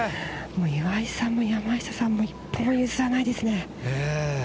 岩井さんも山下さんも一歩も譲らないですね。